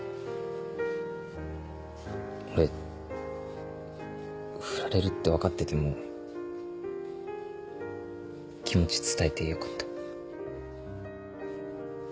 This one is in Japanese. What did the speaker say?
俺ふられるって分かってても気持ち伝えてよかった。